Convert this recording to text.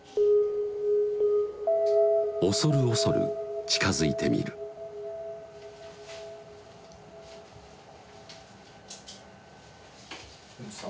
恐る恐る近づいてみる柄本さん